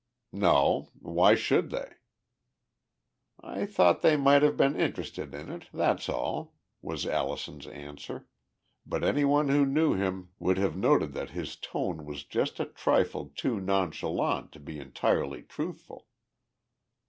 "No. Why should they?" "I thought they might have been interested in it, that's all," was Allison's answer, but anyone who knew him would have noted that his tone was just a trifle too nonchalant to be entirely truthful.